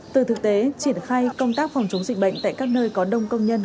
từ thực tế triển khai công tác phòng chống dịch bệnh tại các nơi có đông công nhân